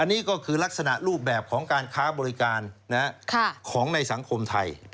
อันนี้ก็คือลักษณะรูปแบบของการค้าบริการของในสังคมไทย